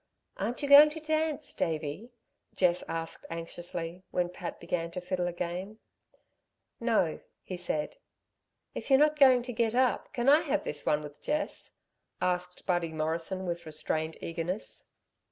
"Aren't you going to dance, Davey?" Jess asked anxiously, when Pat began to fiddle again. "No," he said. "If you're not going to get up, can I have this one with Jess?" asked Buddy Morrison with restrained eagerness.